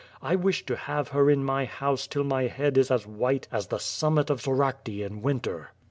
1 wish to have her in my house till my head is as white as the sunmiit of Soracte in winter.